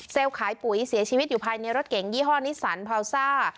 ขายปุ๋ยเสียชีวิตอยู่ภายในรถเก๋งยี่ห้อนิสันพาวซ่า